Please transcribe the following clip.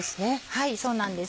はいそうなんです。